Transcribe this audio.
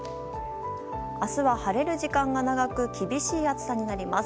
明日は、晴れる時間が長く厳しい暑さになります。